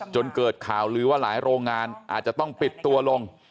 จนเกิดข่าวลือว่าหลายโรงงานอาจจะต้องปิดตัวลง